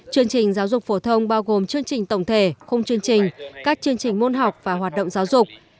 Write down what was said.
chương trình giáo dục phổ thông bao gồm chương trình tổng thể khung chương trình các chương trình môn học và hoạt động giáo dục